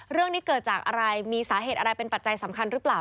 เรื่องนี้เกิดจากอะไรมีสาเหตุอะไรเป็นปัจจัยสำคัญหรือเปล่า